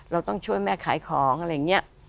เราต้องช่วยแม่ขายของอะไรอย่างนี้